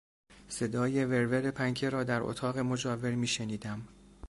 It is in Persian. صدای ور ور پنکه را در اتاق مجاور میشنیدم.